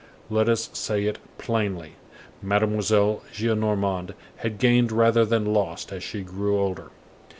Let us say it plainly, Mademoiselle Gillenormand had gained rather than lost as she grew older.